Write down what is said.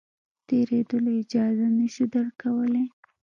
تېرېدلو اجازه نه شو درکولای.